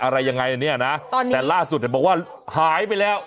อะไรยังไงเนี้ยนะตอนนี้แต่ล่าสุดแบบบอกว่าหายไปแล้ว